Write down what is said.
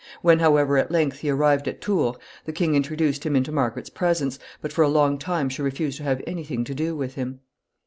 When, however, at length he arrived at Tours, the king introduced him into Margaret's presence, but for a long time she refused to have any thing to do with him.